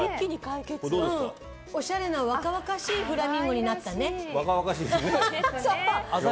おしゃれな若々しいフラミンゴになったね。